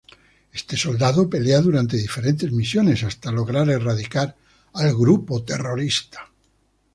Este soldado pelea durante diferentes misiones hasta lograr erradicar al grupo terrorista.